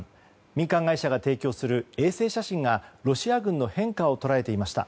民間会社が提供する衛星写真がロシア軍の変化を捉えていました。